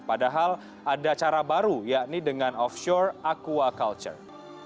padahal ada cara baru yakni dengan offshore aquaculture